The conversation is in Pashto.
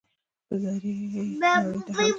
په ذريعه ئې نړۍ ته هم